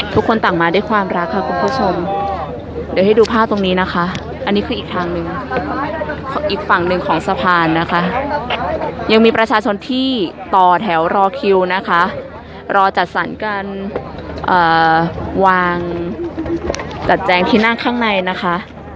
ทุกคนต่างมาด้วยความรักค่ะคุณผู้ชมเดี๋ยวให้ดูภาพตรงนี้นะคะอันนี้คืออีกทางหนึ่งอีกฝั่งหนึ่งของสะพานนะคะยังมีประชาชนที่ต่อแถวรอคิวนะคะรอจัดสรรการวางจัดแจงที่นั่งข้างในนะคะ